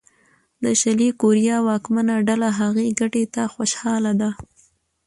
د شلي کوریا واکمنه ډله هغې ګټې ته خوشاله ده.